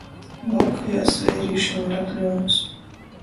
Volkojās veirīši Varakļuonūs.